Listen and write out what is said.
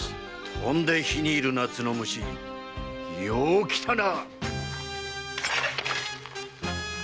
「飛んで火に入る夏の虫」よう来たな！